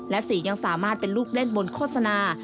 และ๔ยังสามารถเป็นลูกเล่นบนโฆษณา